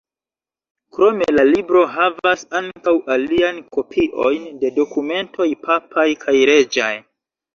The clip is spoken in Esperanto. Krome la libro havas ankaŭ aliajn kopiojn de dokumentoj papaj kaj reĝaj.